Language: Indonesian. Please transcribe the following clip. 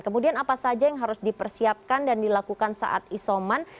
kemudian apa saja yang harus dipersiapkan dan dilakukan saat isoman